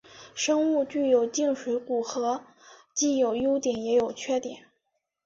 生物具有静水骨骼既有优点也有缺点。